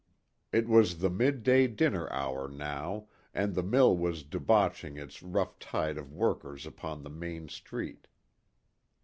It was the midday dinner hour now, and the mill was debouching its rough tide of workers upon the main street.